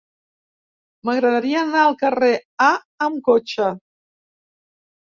M'agradaria anar al carrer A amb cotxe.